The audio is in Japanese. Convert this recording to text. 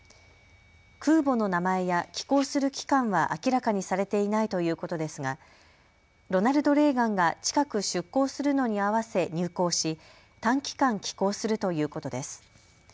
空母の名前や寄港する期間は明らかにされていないということですがロナルド・レーガンが近く出港するのに合わせ入港し短期間、寄港するということです。